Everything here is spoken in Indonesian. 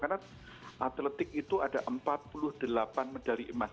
karena atletik itu ada empat puluh delapan medali emas